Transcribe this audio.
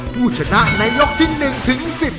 ผู้ชนะในยกที่๑ถึง๑๐